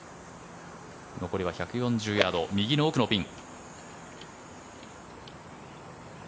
残りは１４０ヤード右の奥のピン。